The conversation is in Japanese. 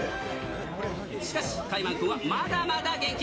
しかし、カイマンくんはまだまだ元気。